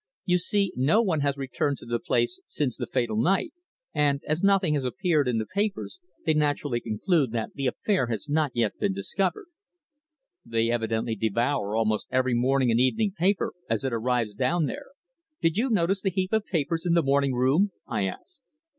You see no one has returned to the place since the fatal night, and, as nothing has appeared in the papers, they naturally conclude that the affair has not yet been discovered." "They evidently devour almost every morning and evening paper as it arrives down there. Did you notice the heap of papers in the morning room?" I asked.